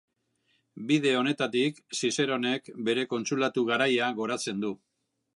Bide honetatik Zizeronek bere kontsulatu garaia goratzen du.